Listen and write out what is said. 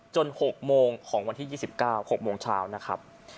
๖โมงของวันที่๒๙๖โมงเช้านะครับ